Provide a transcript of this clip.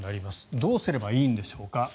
どうすればいいんでしょうか。